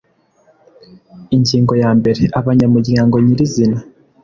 Ingingo ya mbere: Abanyamuryango nyirizina